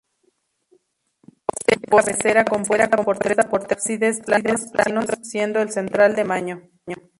Posee cabecera compuesta por tres ábsides planos, siendo el central de mayor tamaño.